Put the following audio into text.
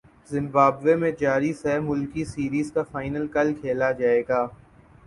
Zimbabwe میں جاری سہ ملکی سیریز کا فائنل کل کھیلا جائے گا